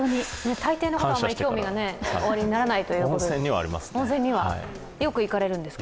大抵のことはあまり興味がおありにならないというよく行かれるんですか？